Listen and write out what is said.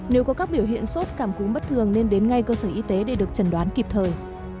nếu có các biểu hiện sốt cảm cúm bất thường nên đến ngay cơ sở y tế để được trần đoán kịp thời